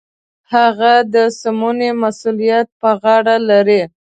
هغه د سمونې مسوولیت په غاړه لري.